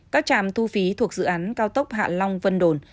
các trạm thu phí thuộc dự án cao tốc hạ long vân đồn